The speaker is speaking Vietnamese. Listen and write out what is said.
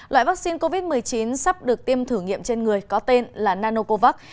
loại vaccine covid một mươi chín sắp được tiêm thử nghiệm trên người có tên là nanocovax